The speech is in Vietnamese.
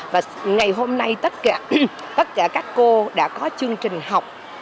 và ngày hôm nay tất cả các cô đã có chương trình học